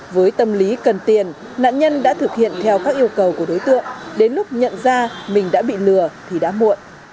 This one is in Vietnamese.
với tâm lý cần tiền nạn nhân đã thực hiện theo các yêu cầu của đối tượng đến lúc nhận ra mình đã bị lừa thì đã muộn